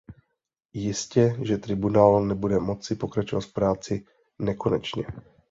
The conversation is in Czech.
Jistě že tribunál nebude moci pokračovat v práci nekonečně.